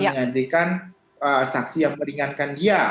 menggantikan saksi yang meringankan dia